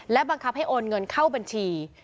และบังคับให้โอนเงินเข้าบัญชี